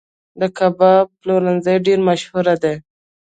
د کباب پلورنځي ډیر مشهور دي